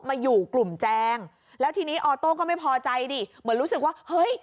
มาอยู่กลุ่มแจงแล้วทีนี้ออโต้ก็ไม่พอใจดิเหมือนรู้สึกว่าเฮ้ย